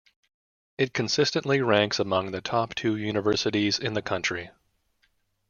It consistently ranks among the top two universities in the country.